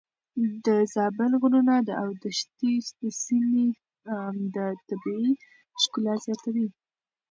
د زابل غرونه او دښتې د سيمې طبيعي ښکلا زياتوي.